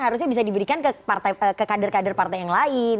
harusnya bisa diberikan ke kader kader partai yang lain